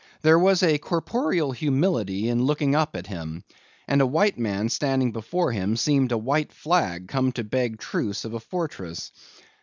There was a corporeal humility in looking up at him; and a white man standing before him seemed a white flag come to beg truce of a fortress.